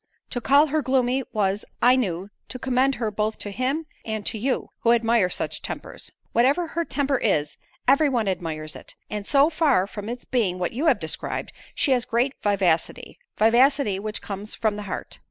To call her gloomy, was, I knew, to commend her both to him and to you, who admire such tempers." "Whatever her temper is, every one admires it; and so far from its being what you have described, she has great vivacity; vivacity which comes from the heart."